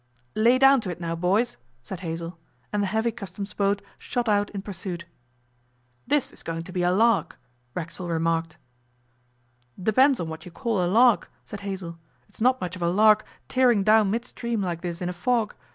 'Lay down to it now, boys!' said Hazell, and the heavy Customs boat shot out in pursuit. 'This is going to be a lark,' Racksole remarked. 'Depends on what you call a lark,' said Hazell; 'it's not much of a lark tearing down midstream like this in a fog.